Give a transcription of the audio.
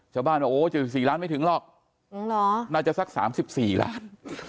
ชาวบ้านว่าโอ้สี่สี่ล้านไม่ถึงหรอกหรอน่าจะสักสามสิบสี่ล้าน